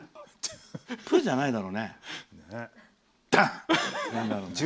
プッじゃないだろうね。